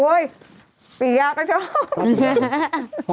โอ๊ยปริยาก็ชอบ